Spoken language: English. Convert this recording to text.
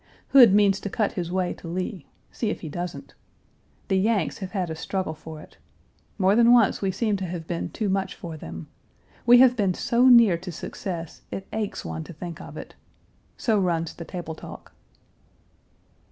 Hood means to cut his way to Lee; see if he doesn't The "Yanks" have had a struggle for it. More than once we seemed to have been too much for them. We have been so near to success it aches one to think of it. So runs the table talk.